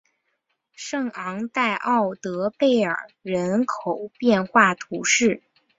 圣昂代奥德贝尔人口变化图示